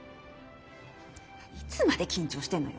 いつまで緊張してんのよ？